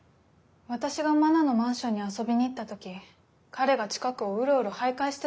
私が真菜のマンションに遊びに行った時彼が近くをウロウロ徘徊してたんです。